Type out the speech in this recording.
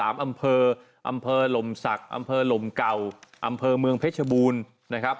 อำเภออำเภอหล่มศักดิ์อำเภอหลมเก่าอำเภอเมืองเพชรบูรณ์นะครับ